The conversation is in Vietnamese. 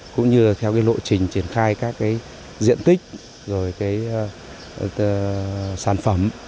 cũng như theo lộ trình triển khai các diện tích rồi sản phẩm